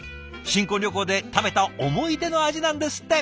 新婚旅行で食べた思い出の味なんですって。